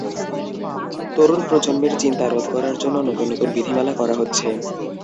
তরুণ প্রজন্মের চিন্তা রোধ করার জন্য নতুন নতুন বিধিমালা করা হচ্ছে।